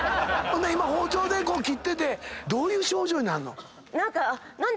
ほんで包丁で切っててどういう症状になるの？